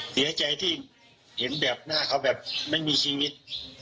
เสียใจที่เห็นแบบหน้าเขาแบบไม่มีชีวิต